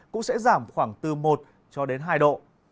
cũng sẽ giảm khoảng từ một hai độ